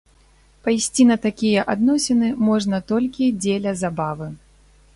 Пайсці на такія адносіны можна толькі дзеля забавы.